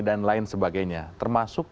dan lain sebagainya termasuk